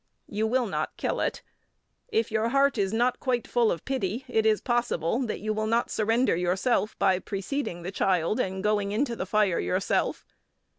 You will not kill it. If your heart is not quite full of pity, it is possible that you will not surrender yourself by preceding the child and going into the fire yourself.